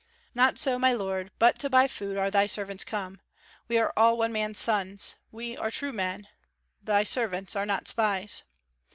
"Not so, my lord, but to buy food are thy servants come. We are all one man's sons; we are true men; thy servants are not spies."